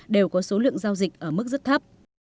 đều có số lượng giao dịch ở mức rất thấp